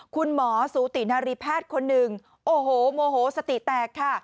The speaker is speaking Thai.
คุณหมอสูตินารีแพทย์คนหนึ่งโอ้โหโมโหสติแตกค่ะ